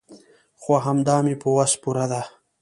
خو همدا مې په وس پوره ده.